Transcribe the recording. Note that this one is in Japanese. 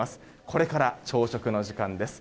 これから朝食の時間です。